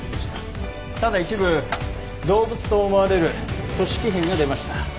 ただ一部動物と思われる組織片が出ました。